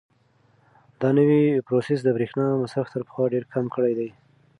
دا نوی پروسیسر د برېښنا مصرف تر پخوا ډېر کم کړی دی.